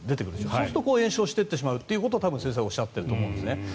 そうすると延焼していってしまうということを先生はおっしゃっていると思うんです。